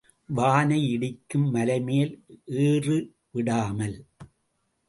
வானை இடிக்கும் மலைமேல் ஏறு விடாமல்!